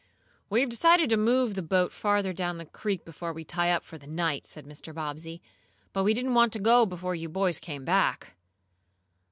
"We've decided to move the boat farther down the creek before we tie up for the night," said Mr. Bobbsey, "but we didn't want to go before you boys came back."